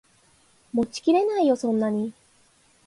持ちきれないよそんなに